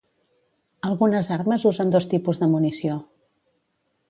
Algunes armes usen dos tipus de munició.